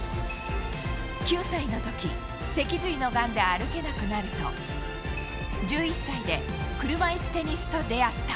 ９歳のとき、脊髄のがんで歩けなくなると、１１歳で車いすテニスと出会った。